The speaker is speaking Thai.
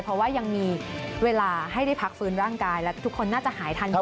เพราะว่ายังมีเวลาให้ได้พักฟื้นร่างกายและทุกคนน่าจะหายทันที